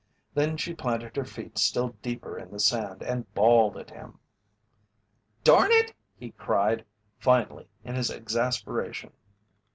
Then she planted her feet still deeper in the sand and bawled at him. "Darn it!" he cried, finally, in his exasperation.